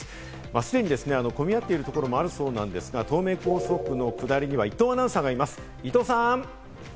既に混み合っている所もあるそうなんですが、東名高速の下りには伊藤アナウンサーがいます、伊藤さん。